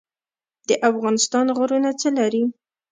د افغانستان غرونه څه لري؟